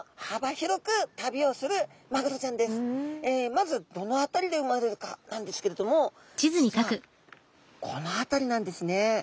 まずどの辺りで生まれるかなんですけれども実はこの辺りなんですね。